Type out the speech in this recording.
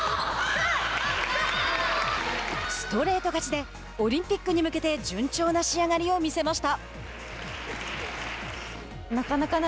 ストレート勝ちでオリンピックに向けて順調な仕上がりを見せました。